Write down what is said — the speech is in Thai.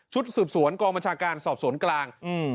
ชุดสืบสวนกองประชาการสอบโสนกลางอืม